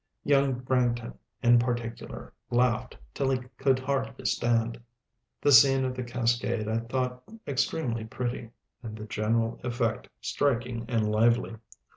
Young Branghton, in particular, laughed till he could hardly stand. The scene of the cascade I thought extremely pretty, and the general effect striking and lively.